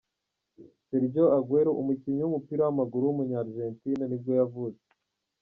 Sergio Agüero, umukinnyi w’umupira w’amaguru w’umunya-Argentine nibwo yavutse.